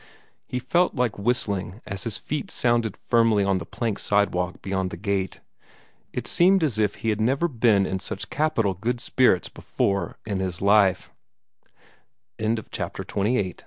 He felt like whistling as his feet sounded firmly on the plank sidewalk beyond the gate. It seemed as if he had never been in such capital good spirits before in his life. CHAPTER XXIX The train was at a standstill somewhere, a